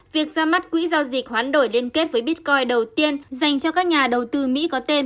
việc ra mắt quỹ giao dịch hoán đổi liên kết với bitcoin đầu tiên dành cho các nhà đầu tư mỹ có tên